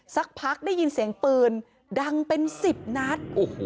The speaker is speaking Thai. สักพักได้ยินเสียงปืนดังเป็น๑๐นัด